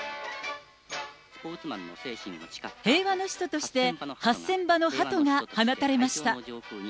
平和の使途として、８０００羽のハトが放たれました。